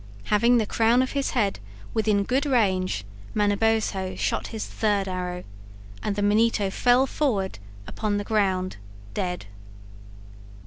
Having the crown of his head within good range Manabozho shot his third arrow, and the Manito fell forward upon the ground, dead.